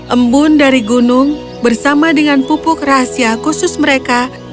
embun dari gunung bersama dengan pupuk rahasia khusus mereka